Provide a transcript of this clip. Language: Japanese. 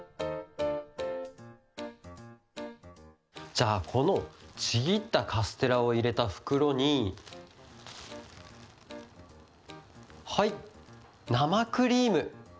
じゃあこのちぎったカステラをいれたふくろにはいなまクリーム。